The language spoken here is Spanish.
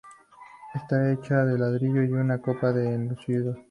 Está hecha de ladrillo y una capa de enlucido.